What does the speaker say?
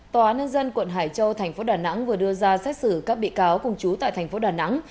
tòa án nhân dân quận hải châu thành phố đà nẵng vừa đưa ra xét xử các bị cáo cùng chú tại thành phố đà nẵng